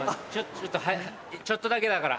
ちょっちょっとだけだから。